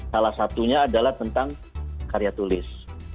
salah satunya adalah tentang karya tulis